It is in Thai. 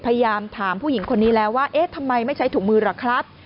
พยายามถามผู้หญิงคนนี้แล้วว่าเอ๊ะทำไมไม่ใช้ถุงมือล่ะครับ